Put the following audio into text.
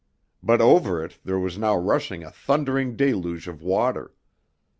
But over it there was now rushing a thundering deluge of water.